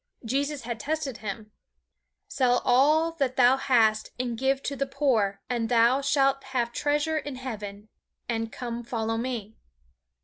Jesus had tested him. "Sell all that thou hast and give to the poor, and thou shalt have treasure in heaven; and come follow me."